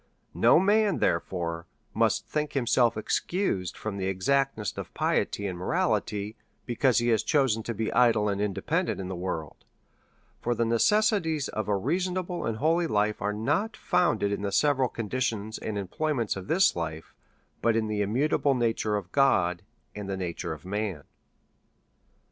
No man^ therefore^ must think himself excused from the exactness of piety and morality^ because he has chosen to be idle and independent in the world ; for the necessities of a reasonable and holy life are not founded in the se\cral conditions and employments of this lifC;, but in the immutable nature of God^ and the nature of man.